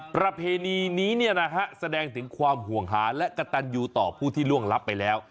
ประเพณีนี้แสดงถึงความห่วงหาและกระตันยูต่อผู้ที่ล่วงลับไปแล้ว